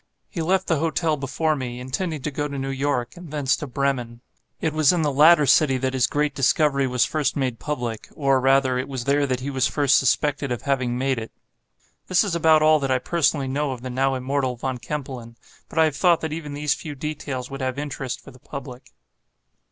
He left the hotel before me, intending to go to New York, and thence to Bremen; it was in the latter city that his great discovery was first made public; or, rather, it was there that he was first suspected of having made it. This is about all that I personally know of the now immortal Von Kempelen; but I have thought that even these few details would have interest for the public.